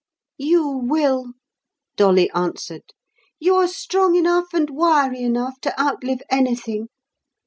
"You will," Dolly answered. "You're strong enough and wiry enough to outlive anything.